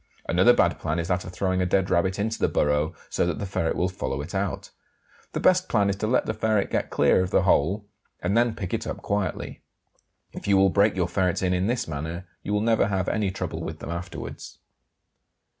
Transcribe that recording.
Another bad plan is that of throwing a dead rabbit into the burrow so that the ferret will follow it out. The best plan is to let the ferret get clear of the hole, and then pick it up quietly. If you will break your ferrets in in this manner you will never have any trouble with them afterwards.